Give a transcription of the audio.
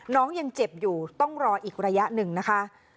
ยังเจ็บอยู่ต้องรออีกระยะหนึ่งนะคะ